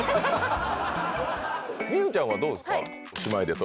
望結ちゃんはどうですか？